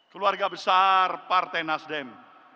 keluarga besar partai nasdem